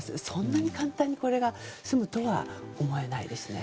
そんなに簡単にこれが済むとは思えないです。